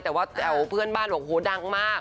แต่ว่าเอาเพื่อนบ้านบอกว่าโฮดังมาก